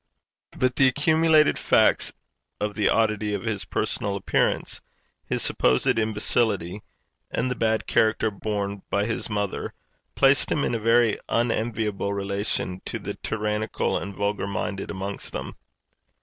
But the accumulated facts of the oddity of his personal appearance, his supposed imbecility, and the bad character borne by his mother, placed him in a very unenviable relation to the tyrannical and vulgar minded amongst them.